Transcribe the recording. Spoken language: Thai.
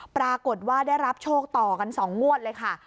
ปรากฏว่าได้รับโชคต่อกัน๒งวดเลยค่ะ